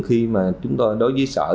khi mà chúng tôi đối với sở